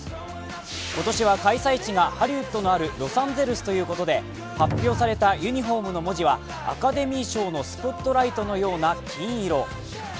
今年は開催地がハリウッドのあるロサンゼルスということで発表されたユニフォームの文字はアカデミー賞のスポットライトのような金色。